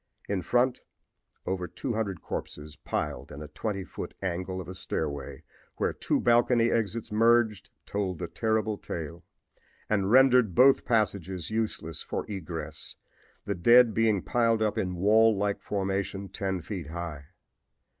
In front over 200 corpses piled in a twenty foot angle of a stairway where two balcony exits merged told the terrible tale, and rendered both passages useless for egress, the dead being piled up in wall like formation ten feet high.